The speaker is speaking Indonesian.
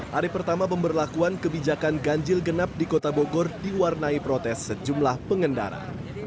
hari pertama pemberlakuan kebijakan ganjil genap di kota bogor diwarnai protes sejumlah pengendara